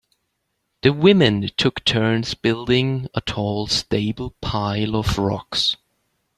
The women took turns building a tall stable pile of rocks.